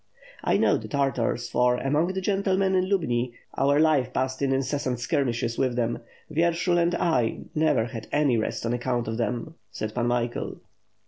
"I know the Tartars, for, among the gentlemen in Lubni, our life passed in incessant skirmishes with them. Vyershul and I never had any rest on account of them," said Pan Michael.